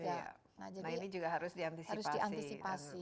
nah ini juga harus diantisipasi